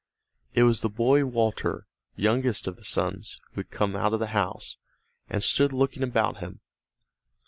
It was the boy Walter, youngest of the sons, who had come out of the house, and stood looking about him.